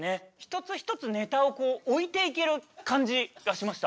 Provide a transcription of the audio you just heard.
一つ一つネタを置いていける感じがしました。